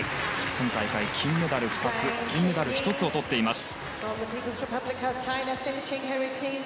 今大会、金メダル２つ銀メダル１つをとっています。